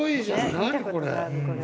何これ？